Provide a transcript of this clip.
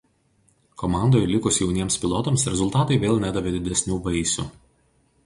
Komandoje likus jauniems pilotams rezultatai vėl nedavė didesnių vaisių.